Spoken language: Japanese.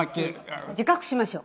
自覚しましょう。